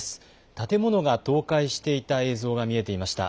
建物が倒壊していた映像が見えていました。